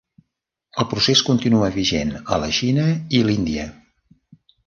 El procés continua vigent a la Xina i l'Índia.